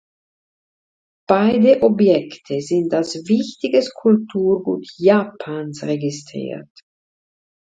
Beide Objekte sind als Wichtiges Kulturgut Japans registriert.